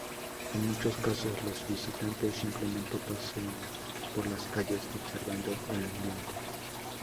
En muchos casos los visitantes simplemente pasean por las calles observando el ambiente.